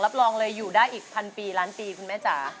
รองเลยอยู่ได้อีกพันปีล้านปีคุณแม่จ๋า